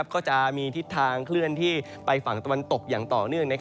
ก็จะมีทิศทางเคลื่อนที่ไปฝั่งตะวันตกอย่างต่อเนื่อง